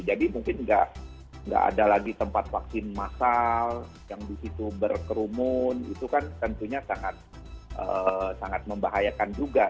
jadi mungkin nggak ada lagi tempat vaksin masal yang disitu berkerumun itu kan tentunya sangat membahayakan juga